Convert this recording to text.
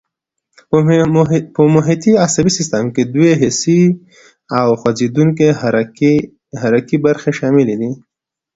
په محیطي عصبي سیستم کې دوې حسي او خوځېدونکي حرکي برخې شاملې دي.